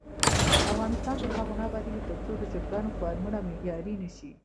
افغانستان تر هغو نه ابادیږي، ترڅو د چرګانو فارمونه معیاري نشي.